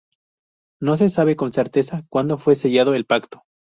No se sabe con certeza cuando fue sellado el pacto.